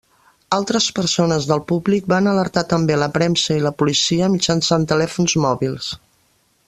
Altres persones del públic van alertar també la premsa i la policia mitjançant telèfons mòbils.